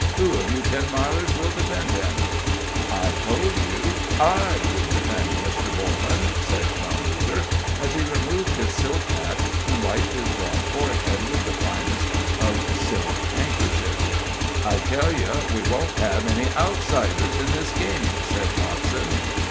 Who of you Ten Milers will defend him?" "I told you I would defend Mr. Borlan," said Tom Ruger, as he removed his silk hat and wiped his broad forehead with the finest of silk handkerchiefs. "I tell you we won't have any outsiders in this game," said Watson.